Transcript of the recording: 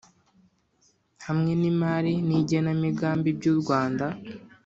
hamwe n’imari n’igenamigambi by’urwanda